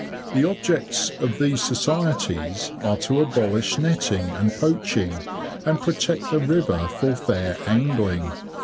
The objects of these societies are to abolish netting and poaching, and protect the river for fair angling.